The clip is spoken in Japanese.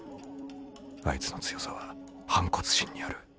あいつの強さは反骨心にある。